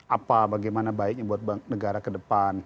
apa bagaimana baiknya buat negara kedepan